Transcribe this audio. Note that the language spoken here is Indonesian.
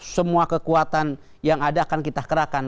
semua kekuatan yang ada akan kita kerahkan